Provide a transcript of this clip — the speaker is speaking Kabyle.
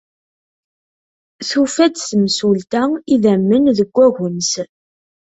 Tufa-d temsulta idammen deg wagens.